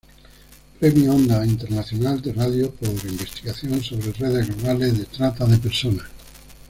Premio Ondas Internacional de Radio por investigación sobre redes globales de trata de personas.